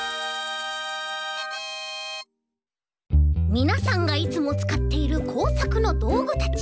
みなさんがいつもつかっているこうさくのどうぐたち。